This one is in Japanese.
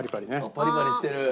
パリパリしてる。